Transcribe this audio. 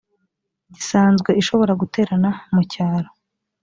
gisanzwe ishobora guterana mu cyicaro